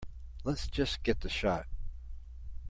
Lets just get the shot.